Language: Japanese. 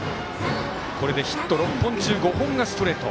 これでヒット６本中５本がストレート。